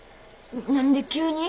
何で急に？